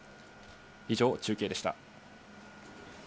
以上、中継でした。